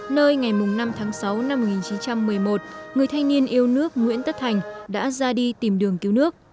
nơi ngày năm tháng sáu năm một nghìn chín trăm một mươi một người thanh niên yêu nước nguyễn tất thành đã ra đi tìm đường cứu nước